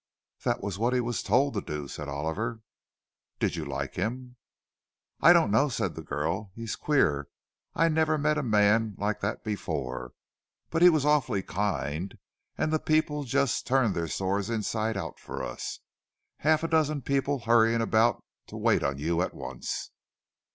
"That was what he was told to do," said Oliver. "Did you like him?" "I don't know," said the girl. "He's queer—I never met a man like that before. But he was awfully kind; and the people just turned their stores inside out for us—half a dozen people hurrying about to wait on you at once!"